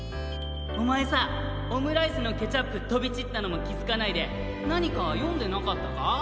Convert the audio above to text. おまえさオムライスのケチャップとびちったのもきづかないでなにかよんでなかったか？